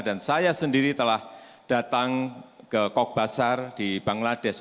dan saya sendiri telah datang ke kogbasar di bangladesh